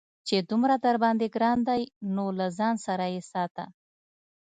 چې دومره درباندې گران دى نو له ځان سره يې ساته.